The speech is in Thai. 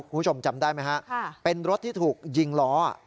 คุณผู้ชมจำได้ไหมฮะเป็นรถที่ถูกยิงล้อ